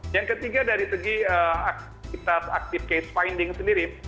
yang ketiga dari segi aktivitas active case finding sendiri